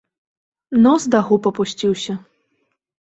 Нос да губ апусціўся.